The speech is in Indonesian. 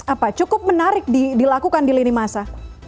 apa cukup menarik dilakukan di lini masa